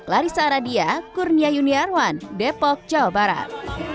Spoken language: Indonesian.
larissa aradia kurnia yuniarwan depok jawa barat